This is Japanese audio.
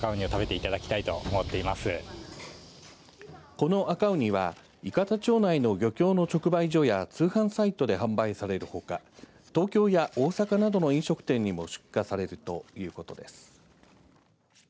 この赤ウニは伊方町内の漁業の直売所や通販サイトで販売されるほか東京や大阪などの飲食店にも出荷されるということです。